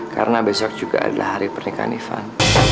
karena besok juga adalah hari pernikahan ivan